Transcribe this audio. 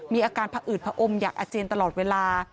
มีอาการผอืดผอมอยากอาเจียนตลอดเวลา